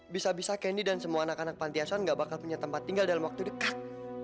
bisa bisa kendi dan semua anak anak pantiasan gak bakal punya tempat tinggal dalam waktu dekat